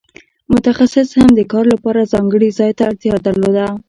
متخصص هم د کار لپاره ځانګړي ځای ته اړتیا درلوده.